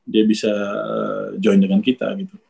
dia bisa join dengan kita gitu